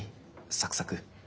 サクサク。